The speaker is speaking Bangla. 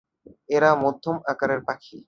এরা মধ্যম আকারের পাখি।